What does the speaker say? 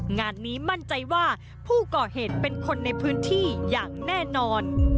งานนี้มั่นใจว่าผู้ก่อเหตุเป็นคนในพื้นที่อย่างแน่นอน